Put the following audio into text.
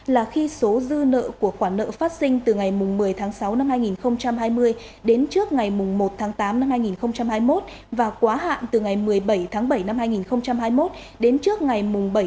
là khi số dư nợ của khoản nợ phát sinh từ ngày một mươi sáu hai nghìn hai mươi đến trước ngày một tám hai nghìn hai mươi một và quá hạn từ ngày một mươi bảy bảy hai nghìn hai mươi một đến trước ngày bảy chín hai nghìn hai mươi một